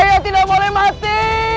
ayah tidak boleh mati